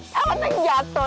sama yang jatuh